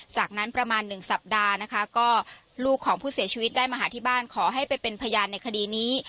จากนั้นประมาณ๑สัปดาห์นะคะก็ลูกของผู้เสียชีวิตได้มาหาที่บ้านขอให้ไปเป็นพยานในคดีนี้